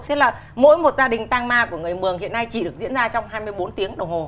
thế là mỗi một gia đình tang ma của người mường hiện nay chỉ được diễn ra trong hai mươi bốn tiếng đồng hồ